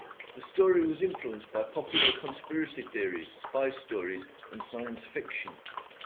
The story was influenced by popular conspiracy theories, spy stories, and science fiction.